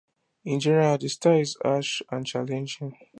In general, the style is harsh and challenging.